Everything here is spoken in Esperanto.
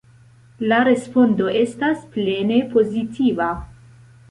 La respondo estas plene pozitiva.